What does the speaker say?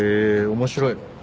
面白いの？